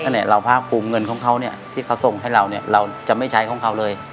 ถ้าไหนเราภาคภูมิเงินของเขาที่เขาส่งให้เราเราจะไม่ใช้ของเขาเลย